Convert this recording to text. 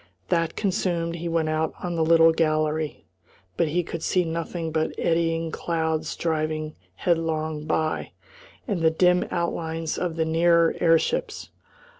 That consumed, he went out on the little gallery; but he could see nothing but eddying clouds driving headlong by, and the dim outlines of the nearer airships.